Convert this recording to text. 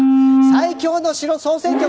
「最強の城総選挙」